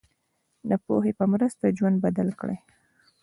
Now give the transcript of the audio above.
د پوهې په مرسته ژوند بدل کړئ.